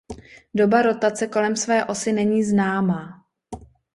Doba rotace kolem své osy není známa.